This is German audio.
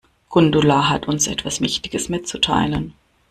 Gundula hat uns etwas Wichtiges mitzuteilen.